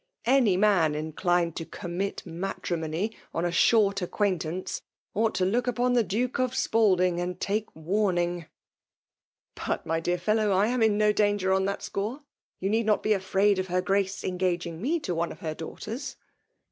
Any man inclined to commit matrimony on a short 176 FEMALE OOMtNATIOK. acquaintance, ought to look upon the Duke ot Spahfing, and take warning !"" But, my dear fellow, / am in no danger on that score. You need not be airaid of her Grace engaging me to one of her daughters.!